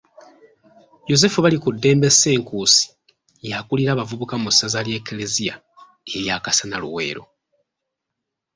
Yozefu Balikuddembe Senkuusi, y'akulira abavubuka mu ssaza ly'eklezia erya Kasana-Luweero.